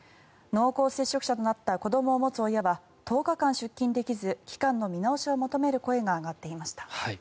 濃厚接触者となった子どもを持つ親は１０日出勤できず期間の見直しを求める声が上がっていました。